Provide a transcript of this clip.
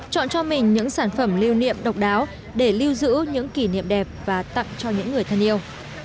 chọn cho mình những sản phẩm lưu niệm độc đáo để lưu giữ những kỷ niệm đẹp và tặng cho những người thân yêu